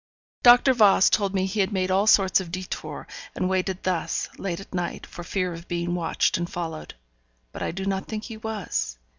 Doctor Voss told me he had made all sorts of détours, and waited thus, late at night, for fear of being watched and followed. But I do not think he was.